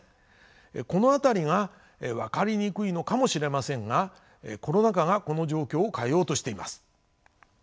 この辺りが分かりにくいのかもしれませんがコロナ禍がこの状況を変えようとしています。